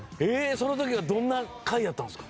その時はどんな会やったんですか？